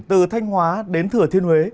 từ thanh hóa đến thừa thiên huế